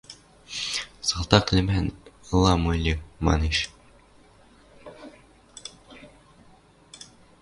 – Салтак лӹмӓн ылам ыльы... – манеш.